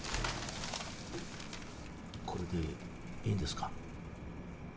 これでいいんですか？